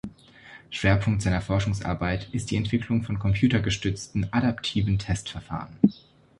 Schwerpunkt seiner Forschungsarbeit ist die Entwicklung von computergestützten adaptiven Testverfahren.